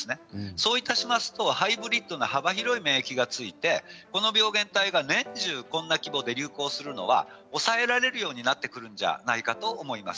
そういたしますとハイブリッドの幅広い免疫がついてこの病原体が年中流行するのは抑えられるようになってくるんじゃないかと思います。